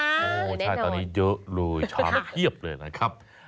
โอ้ใช่ตอนนี้เยอะเลยชามเพียบเลยนะครับ